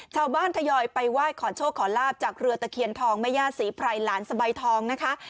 ทยอยไปไหว้ขอโชคขอลาบจากเรือตะเคียนทองแม่ย่าศรีไพรหลานสะใบทองนะคะ